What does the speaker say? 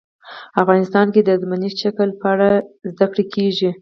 افغانستان کې د ځمکنی شکل په اړه زده کړه کېږي.